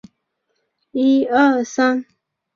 现任东首尔大学公演艺术学部兼任教授。